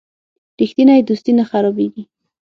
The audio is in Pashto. رښتینی دوستي نه خرابیږي.